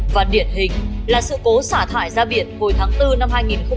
và điển hình là sự cố xả thải ra biển hồi tháng bốn năm hai nghìn một mươi chín